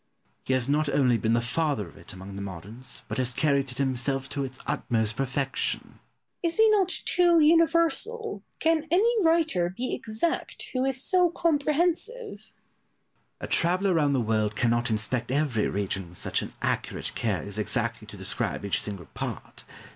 Pope. He has not only been the father of it among the moderns, but has carried it himself to its utmost perfection. Boileau. Is he not too universal? Can any writer be exact who is so comprehensive? Pope. A traveller round the world cannot inspect every region with such an accurate care as exactly to describe each single part.